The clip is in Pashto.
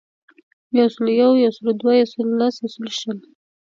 یوسلویو, یوسلودوه, یوسلولس, یوسلوشل